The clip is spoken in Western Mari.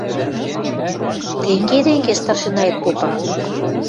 – Тенге, тенге... – старшинаэт попа.